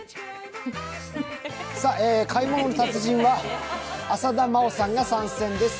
「買い物の達人」は浅田真央さんが参戦です。